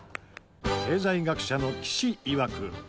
経済学者の岸いわく。